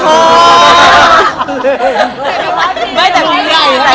อเรนนี่สังหรับพี่อาจารย์